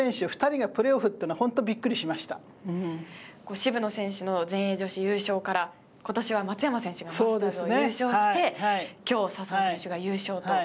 渋野選手の全英女子優勝から今年は松山選手がマスターズ優勝して笹生選手が優勝と。